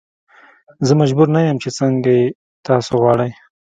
زه مجبور نه یم چې څنګه یې تاسو غواړئ.